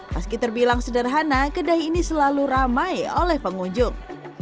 meski terbilang sederhana kedai ini selalu ramai oleh pengunjung